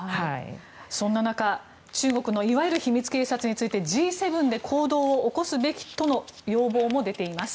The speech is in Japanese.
そんな中中国のいわゆる秘密警察についてＧ７で行動を起こすべきとの要望も出ています。